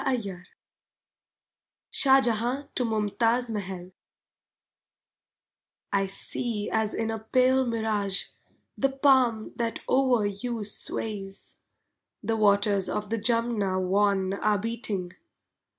SHAH JEHAN TO MUMTAZ MAHAL I see as in a pale mirage The palm that o'er you sways, The waters of the Jumna wan are beating.